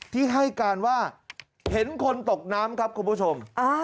ที่ให้การว่าเห็นคนตกน้ำครับคุณผู้ชม